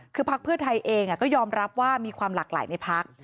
คือพักเพื่อไทยเองก็ยอมรับว่ามีความหลากหลายในพัก